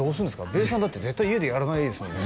べーさんだって絶対家でやらないですもんね